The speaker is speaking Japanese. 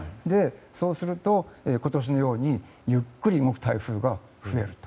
そうすると今年のようにゆっくり動く台風が増えると。